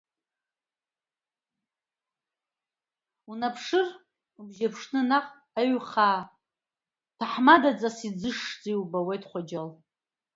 Унаԥшыр убжьыԥшны наҟ, аиҩхаа, ҭаҳмадаҵас иӡышӡа иубауеит Хәаџьал.